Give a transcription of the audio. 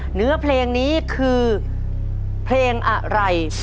เหนือเพลงนี้คือเพลงอะไร